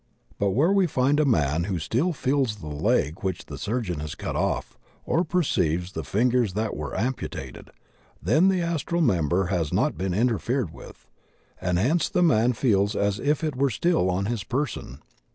But where we find a man who still feels the leg which the surgeon has cut off, or perceives the fin gers that were amputated, then the astral member has not been interfered with, and hence the man feels as if it were still on his person.